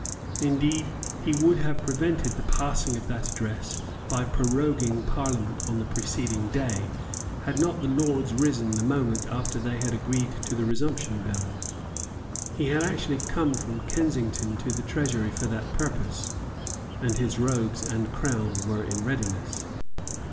Indeed he would have prevented the passing of that address by proroguing Parliament on the preceding day, had not the Lords risen the moment after they had agreed to the Resumption Bill. He had actually come from Kensington to the Treasury for that purpose; and his robes and crown were in readiness.